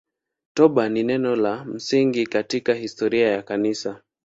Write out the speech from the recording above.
Toba ni neno la msingi katika historia ya Kanisa.